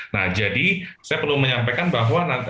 nah jadi saya perlu menyampaikan bahwa